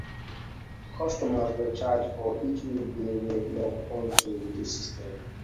Customers were charged for each minute that they were logged onto the system.